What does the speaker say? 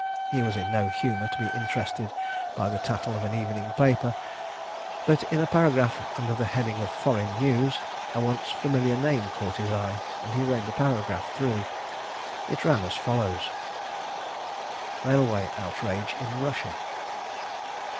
He was in no humour to be interested by the tattle of an evening paper, but in a paragraph under the heading of Foreign News a once familiar name caught his eye, and he read the paragraph through. It ran as follows: RAILWAY OUTRAGE IN RUSSIA.